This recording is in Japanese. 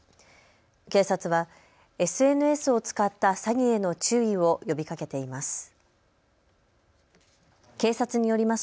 警察はＳＮＳを使った詐欺への注意を呼びかけています。